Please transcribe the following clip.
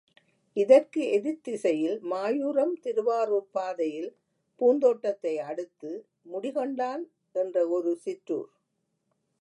இதற்கு எதிர்த் திசையில் மாயூரம் திருவாரூர் பாதையில் பூந்தோட்டத்தை அடுத்து முடிகொண்டான் என்று ஒரு சிற்றூர்.